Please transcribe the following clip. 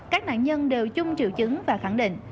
các nạn nhân đều chung triệu chứng và khẳng định